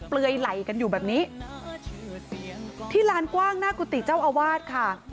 เปลือยไหลกันอยู่แบบนี้ที่ลานกว้างหน้ากุฏิเจ้าอาวาสค่ะ